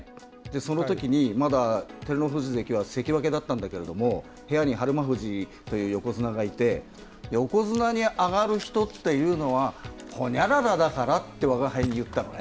そのときに、まだ照ノ富士関は関脇だったんだけど部屋に日馬富士という横綱がいて横綱に上がる人というのはホニャララだからってわがはいに言ったのね。